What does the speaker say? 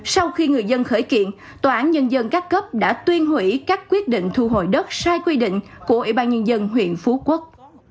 sau khi người dân khởi kiện tòa án nhân dân các cấp đã tuyên hủy các quyết định thu hồi đất sai quy định của ủy ban nhân dân huyện phú quốc